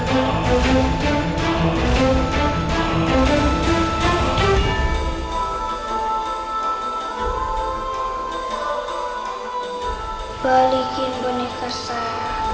kembalikan boneka saya